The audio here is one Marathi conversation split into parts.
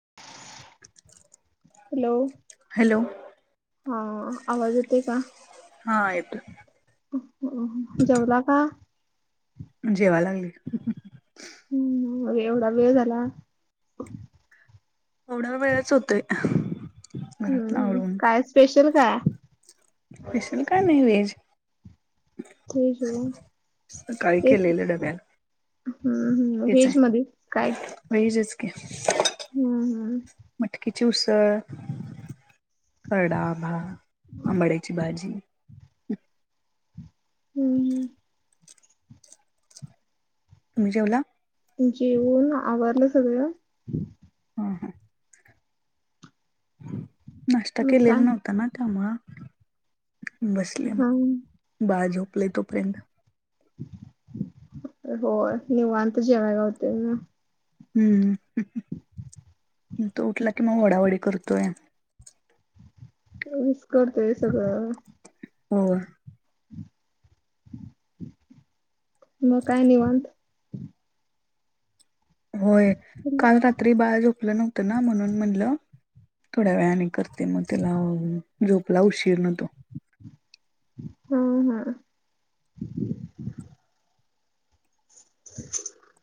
[inaudible] हॅलो हॅलो हा आवाज येतय का हा येतोय. होय जेवला का? जेवाय लागली. हम्म एवढा वेळ झाला. थोडा वेळच होतेय. हम्म काय स्पेशल काय स्पेशल काही नाही व्हेज तेच सकाळी केलेल डब्यात हम्म हम्म व्हेज मध्ये काय वजच हम्म कटकी चुसळ कडाभ हम्म आंबड्याची भाजी हम् ह. तुम्ही जेवला? जेऊन आवारलं सगळं. हम हम. नाष्टा मग केलेला काय नव्हतां ना त्यामुळे बसले हा मग बाळ झोपले तोपर्यंत होय निवांत जेवया होतय ना हम्म तो उठला की मग ओढाओढी करतोय. त्यांनीच करतेय सगळं होय. मग काय निवांत होय काल रात्री बाळ झोपलं नव्हतं ना म्हणून म्हणलं थोड्या वेळाने करते मग त्याला झोपला उशीरन तो हम्म हम्म [inaudible]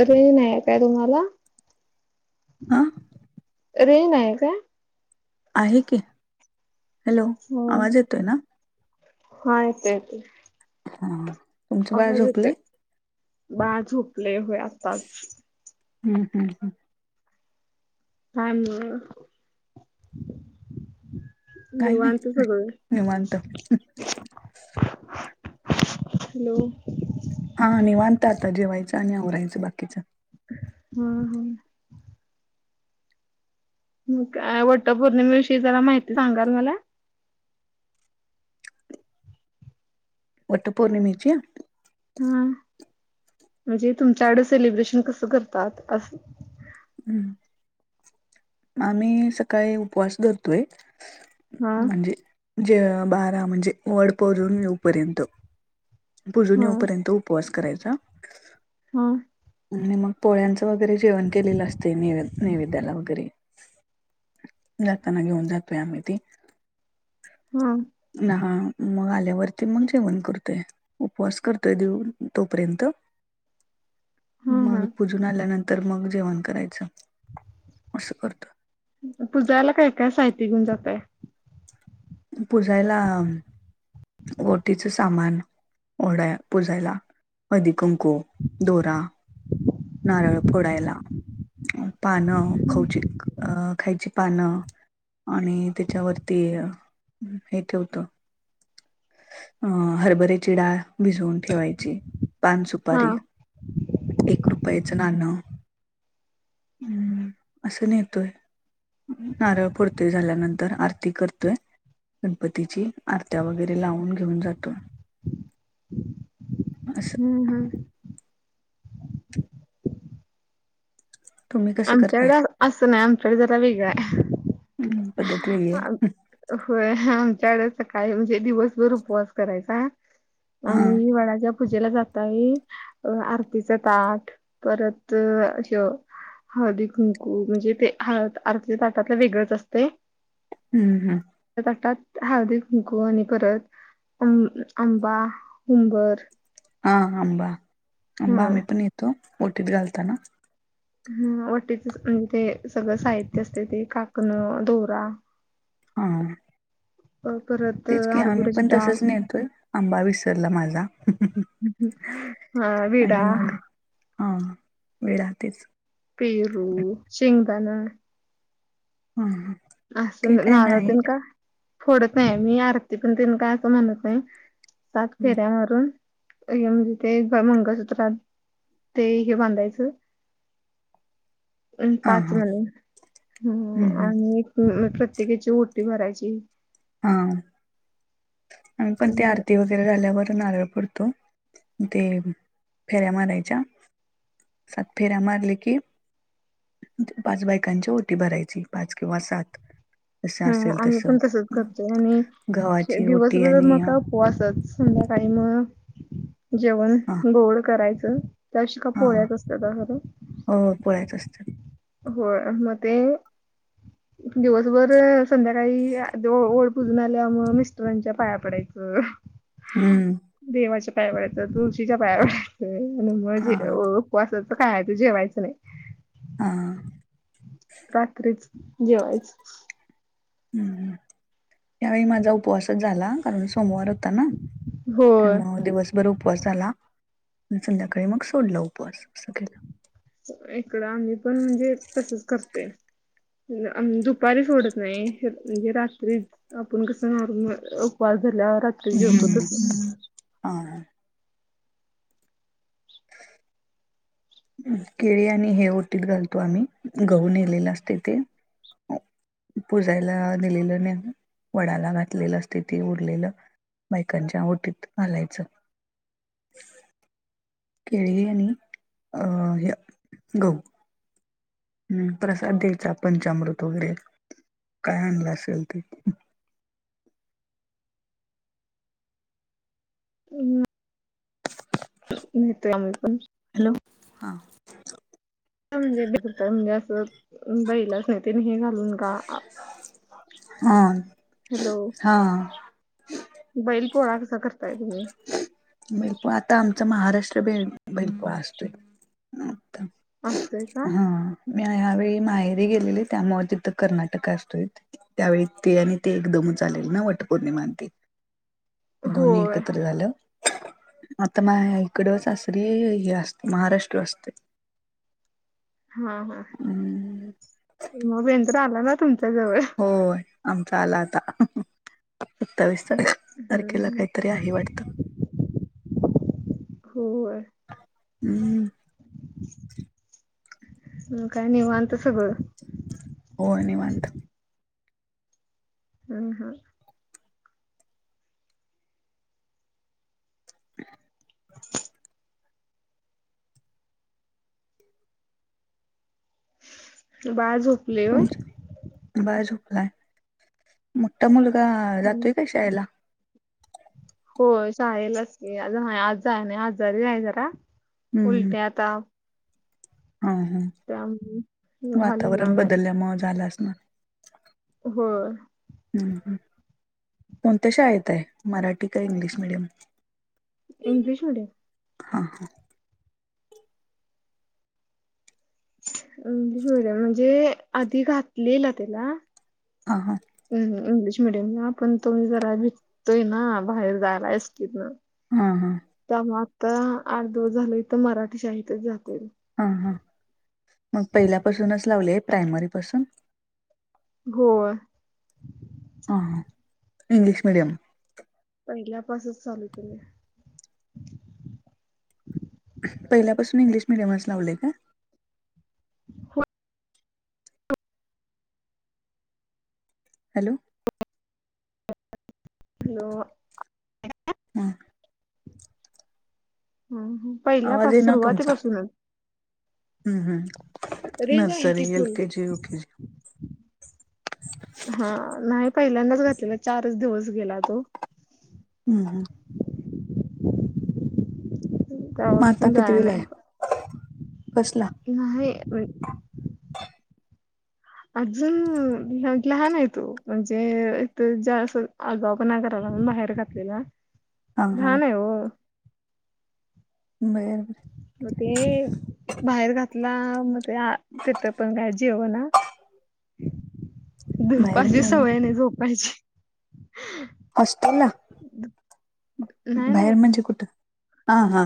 अरे नाही काय तुम्हाला हा अरे नाही काय आहे की हॅलो हो आवाज येतोय ना हा येतोय येतोय हा तुमचं बाळ आवाज येते झोपलंय बाळ झोपले होय आताच हम् हम् हम्. हम. काही नाही निवांत सगळ. निवांत हॅलो. हा निवांत आणि आवरायचं बाकीच. हा हा. मग काय वट पौर्णिमेविषयी जरा माहिती सांगाल माला वट पौर्णिमेची. हा म्हणजे तुमच्याकडे सेलिब्रेशन कसं करतात अस. आम्ही सकाळी उपवास धरतोय. हा म्हणजे जे बारा म्हणजे वड पुजून येऊपर्यंत पुजून हा येऊपर्यंत उपवास करायचा. हा. आणि मग पोळ्यांचं वगैरे जेवण केलेलं असते नै नैवेद्याला वगैरे जातना घेऊन जातोय आम्ही ते हम्म ना हा मग आल्यावरती मग जेवण करतोय. उपवास करतोय तो तोपर्यंत हा मग हा पूजून आल्यानंतर मग जेवण करायचं असं करतो. पुजायला काय काय साहित्य घेऊन जाताय? पुजायला ओटीचं सामान ओढाया प पुजायला अधी कुंकू दोरा नारळ फोडायला पानं खऊची अ खायची पानं आणि त्याच्यावरती हे ठेवतो. अं हरभऱ्याची डाळ भिजवून ठेवायची हा पानसुपारी एक रुपयाचं नाणं हम्म असं नेतोय. नारळ फोडतोय झाल्यानंतर आरती करतोय. गणपतीची आरत्या वगैरे लावून घेऊन जातो. अा हम्म हम्म तुम्ही कसं करताय? आमच्याकडे असं नाही आमच्याकडे जरा वेगळं हम्म, पद्धत वेगळी आहे. हे हो आमच्याकड सकाळी म्हणजे दिवसभर उपवास करायचा हा आम्ही वडाच्या पूजेला जाताय आरतीचं ताट परत अ हे हळदी, कुंकू म्हणजे ते हळद आरतीच्या ताटातलं वेगळंच असतय. हम्म हम् ताटात हळदी कुंकू आणि परतं आंबा उंबर हाअंबा, अंबा हा आम्ही पण येतो ओटीत घालताना. ह वटीच म्हणजे ते सगळं साहित्यच देते काकणं दोरा हा [unintelligible] अ परत तेच की आम्ही हरभऱ्याची पण डाळ तसंच नेतोय आंबा विसरला माझा हा विडा आणि मग हा वेळ राहतेच. पेरू शेंगदाणे. हम् ह नारळ तीन काय आम्ही फोडत नाही आरती पण काय करत नाही. सात हम्म, फेऱ्यावरून म्हणजे ते मंगळसूत्रात. ते हे बांधायचं. अम् हा पाच हा मनी. हम्म हम्म प्रत्येकाची ओटी भरायची. हा. पण आणि ते मग- आरतीवर. र झाल्यावर नारळ पुडतो ते फेऱ्या मारायच्या. सात फेऱ्या मारले की. पाच बायकांची ओटी भरायची पाच किंवा सात जस हम असेल आम्ही तस पण तसच करतोय आणि गव्हाची दिवस ओटी मग आणि हा कापोवासच सध्याकाळी म जेवण गोड करायचं. हा हो पोळ्याचं असतात. हो मगते. दिवसभर संध्याकाळी ओड पूजून आल्यामुळ मिस्टरांच्या पाया पडायचं. हम्म. देवाच्या पायापडायच तुळशीच्या पाया हा पडायचं. उपवासाचं खायचं जेवायचं नाही. हां. रात्रीच जेवायच. हम् त्यावेळी माझा उपवासच झाला कारण सोमवारच हो ना होय. त्यामु दिवसभर उपवास झाला. संध्याकाळी मग सोडलं उपवास अस केला. इकडं आम्ही पण म्हणजे तसच करते. दुपारी सोडत नाही म्हणजे रात्री आपण कसं म उपवास झाल्या रात्री जेवतो तस. ह. केळी आणि हे ओटीत घालतो आम्ही गहून नेलेला असते ते [unintelligible] पुजायला दिलेलं न वडाला घातलेलं असते ती उरलेलं. बायकांच्या ओटीतघालायच. केळीग आणि अ गहू. हम् प्रसाद द्यायचा पंचामृत वगैरे काय आणलं असेल ते होतो आम्ही पण हॅलो हा. म्हणजे बी होत म्हणजे असं बैलाच नाही ते नाही का? हम. हॅलो बैल पोळा कसा करताय तुम्ही? बैलपो आता आमचा महाराष्ट्र बेंदूर असतोय. असतोय का? हा मी ह्यावेळी माहेरी गेलेली त्यामु तिथं कर्नाटक असतो इ. त्यावेळी ते आणि ते एकदम लेल ना वट पौर्णिमाां ते [unintelligible] ते दोन्ही एकत्र झालं. आता माझ इकडच सासरी महाराष्ट्र असतोय. हा हा हम्म मग बेंदूर आला ना तुमचा जवळ होय आमचा आला आता सत्तावीस तारीख हम्म तारखेला हम्म काहीतरी आहे वाटतं. हो होय. हम्म म काय निवांत सगळं. हो निवांत. हुं हां. ते बाळ झोप. बाळ झोपलाय मोठा मुलगा होय जातोय काय शाळेला हो शाळेलाच की आज नाही आज नाही आजारी आहे जरा हम्म उलट्या ताप हा ह त्यामुळे घालवला वातावरण नाही बदलल्यामुळे झालं असणार. होय. ह हुं कोणत्या शाळेत आहे मराठी का इंग्लिश मीडियम इंग्लिश मिडीयम हा हा. इंग्लिश मिडीयम म्हणजे आधी घातले ना त्याला हा हां. हम् इंग्लिश मिडियमला पण तो जरा भितोय ना बाहेर जायला एसटीतनं हा हा. त्यामुळे आता आठ दिवस झालं इथं मराठी शाळेतच जातोय. हां हां मग पहिल्यापासूनच लावले आहे प्रायमरी पाासून होय हुं हुं इंग्लिश मीडियमला पहिल्यापासुनच चालू केले. पहिल्यापासून इंग्लिश मिडियम लाच लावलेय का? होय हॅलो हॅलो हम् हुं आवाज पहिल्यापासुनच येईना तुमचा. सुरुवातीपासूनच हम्म हम्म nursery L KG UKG blank audio हा नाही पहिल्यांदाच घातलेला चारच दिवस गेला तो हम् हम म आता त्यापासून जाया कितवीला नाही आहे कसला. नाही. अजून लहान आहे तो म्हणजे जा आगाऊपणा करायला म्हणून बाहेर घातलेला ओ हा हा लहान आहे. बर बर. मग ते बाहेर घातला मग ते तथ पण काळजी हव ना. बाहेर धुपाची म्हणजे सवय नाही झोपायची. हॉस्टेलला नाही नाही बाहेर म्हणजे कुठं हा हा.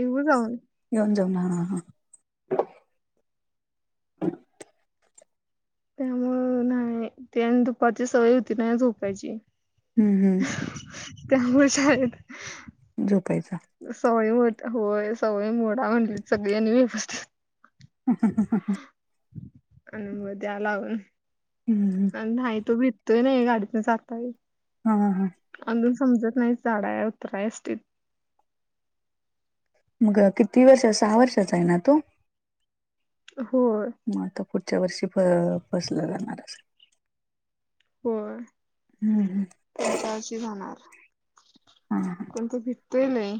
हो जाऊ येऊन जाऊ ना ह हा हां. Blank audio. त्यावेळी नाही ते दुपारची सवय होती नाही झोपायची. हम्म हम् त्यामुळे शाळेत झोपायचा. सवय होती होय सवय मोडा म्हटलेट सगळ्यांनी ह ह हं हं आणि मग त्या ला होय. हम्म नाही तो भिततोय नाही गाडीतून जाताय. हा ह हा अजून समजत नाही झाडा आहे उतराय अस त मग किती वर्ष सहा वर्षाचा आहे ना तो हो मग आता पुढच्या वर्षी बसलं जाणारच. होय हम्म हम्म पच्याी जाणार हा. कोण त भेट. ते नाही.